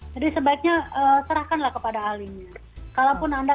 jadi sebaiknya serahkanlah kepada alingnya